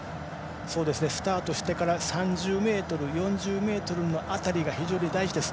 スタートしてから３０ｍ、４０ｍの辺りが非常に大事です。